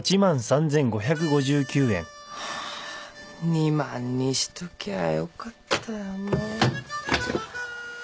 ２万にしときゃよかったよね。